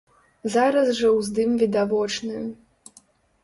Зараз жа ўздым відавочны.